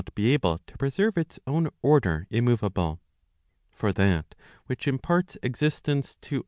e able to preserve its own order immoveable. For that which imparts existence to.